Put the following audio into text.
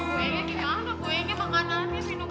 wah kuenya gimana kuenya makanan sih noh